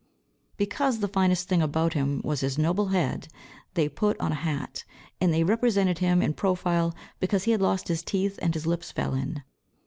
Because the finest thing about him was his noble head, they put on a hat; and they represented him in profile because he had lost his teeth, and his lips fell in.